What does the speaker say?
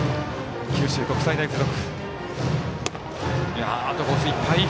九州国際大付属。